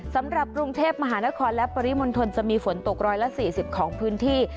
สำหรับกรุงเทพมหานครและปริมณฑลจะมีฝนตก๑๔๐ของพื้นที่